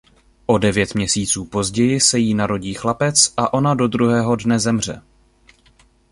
O devět měsíců později se jí narodí chlapec a ona do druhého dne zemře.